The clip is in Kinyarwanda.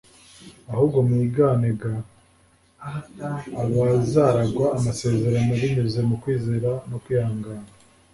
ahubwo mwigane g abazaragwa amasezerano binyuze ku kwizera no kwihangana